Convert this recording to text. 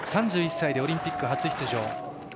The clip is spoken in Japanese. ３１歳でオリンピック初出場。